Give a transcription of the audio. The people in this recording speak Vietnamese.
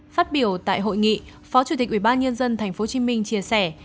phát biểu tại hội nghị phó chủ tịch ubnd tp hcm chia sẻ